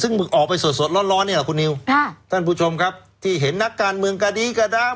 ซึ่งมึงออกไปสดสดร้อนร้อนนี่แหละคุณนิวค่ะท่านผู้ชมครับที่เห็นนักการเมืองกระดีกระดาม